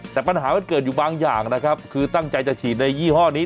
แต่ปัญหามันเกิดอยู่บางอย่างนะครับคือตั้งใจจะฉีดในยี่ห้อนี้